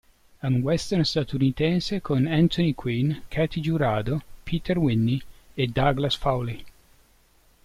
È un western statunitense con Anthony Quinn, Katy Jurado, Peter Whitney e Douglas Fowley.